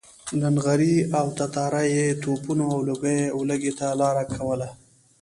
له نغري او تناره یې تپونو او لوګیو ولږې ته لاره کوله.